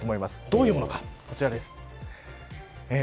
どういうものか、こちらです。